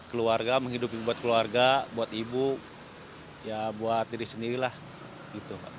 keluarga menghidupi buat keluarga buat ibu ya buat diri sendiri lah gitu